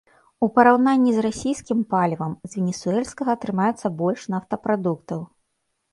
У параўнанні з расійскім палівам, з венесуэльскага атрымаецца больш нафтапрадуктаў.